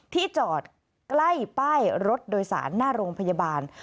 ที่จอดใกล้ป้ายรถโดยสารหน้าโรงพยาบาล